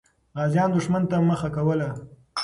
غازیان دښمن ته مخه کوله.